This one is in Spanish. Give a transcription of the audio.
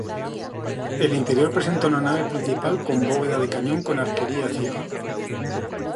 El interior presenta una nave principal con bóveda de cañón con arquería ciega.